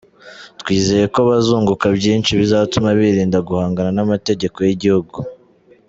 Twizeye ko bazunguka byinshi bizatuma birinda guhangana n’amategeko y’igihugu.